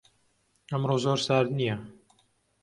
ئەمڕۆ زۆر سارد نییە.